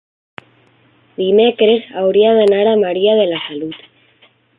Dimecres hauria d'anar a Maria de la Salut.